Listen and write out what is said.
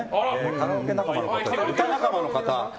カラオケ仲間の歌仲間の方。